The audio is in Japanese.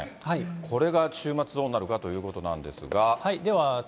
これが週末、どうなるかということなんですが。